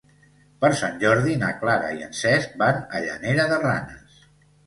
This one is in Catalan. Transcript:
Per Sant Jordi na Clara i en Cesc van a Llanera de Ranes.